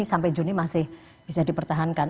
sampai juni masih bisa dipertahankan